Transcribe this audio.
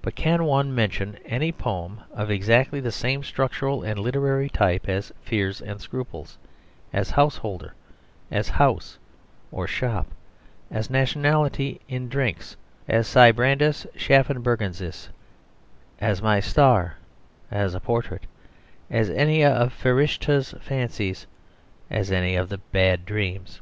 But can any one mention any poem of exactly the same structural and literary type as "Fears and Scruples," as "The Householder," as "House" or "Shop," as "Nationality in Drinks," as "Sibrandus Schafnaburgensis," as "My Star," as "A Portrait," as any of "Ferishtah's Fancies," as any of the "Bad Dreams."